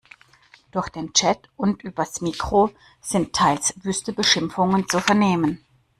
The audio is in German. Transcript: Durch den Chat und übers Mikro sind teils wüste Beschimpfungen zu vernehmen.